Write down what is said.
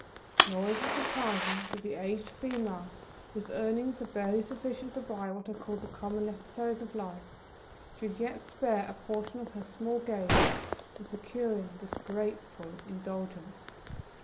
Nor is it surprising that the aged female whose earnings are barely sufficient to buy what are called the common necessaries of life, should yet spare a portion of her small gains in procuring this grateful indulgence.